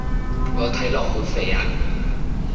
我睇落好肥啊